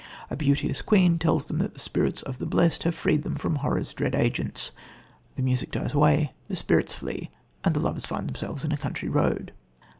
A beauteous queen tells them that the spirits of the blest have freed them from Horror's dread agents. The music dies away, the spirits flee and the lovers find themselves in a country road.